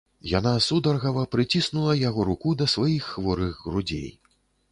Яна сударгава прыціснула яго руку да сваіх хворых грудзей.